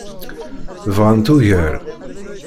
Bɣant ugar.